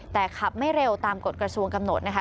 แต่ขับไม่เร็วตามกฎกระทรวงกำหนดนะคะ